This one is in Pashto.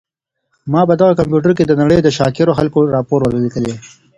ما په دغه کمپیوټر کي د نړۍ د شاکرو خلکو راپور ولیکلی.